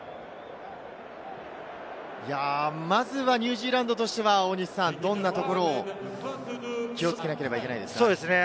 まずはニュージーランドとしてはどんなところを気をつけなければいけないですか？